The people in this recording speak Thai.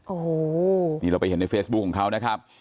โอ้โหนี่เราไปเห็นในเฟซบุ๊คของเขานะครับ